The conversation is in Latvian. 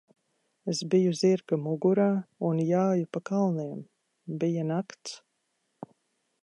Es biju zirga mugurā un jāju pa kalniem. Bija nakts.